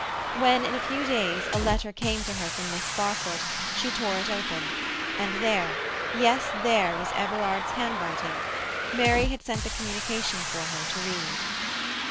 When, in a few days, a letter came to her from Miss Barfoot, she tore it open, and there—yes, there was Everard's handwriting. Mary had sent the communication for her to read.